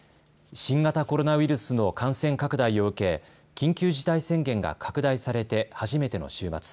新型コロナウイルスの感染拡大を受け、緊急事態宣言が拡大されて初めての週末。